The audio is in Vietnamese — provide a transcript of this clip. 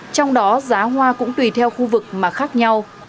trong đó giá hoa cũng tùy theo khu vực mà khác nhau